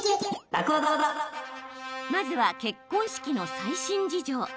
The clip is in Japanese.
まずは結婚式の最新事情。